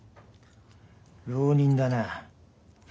浪人だな。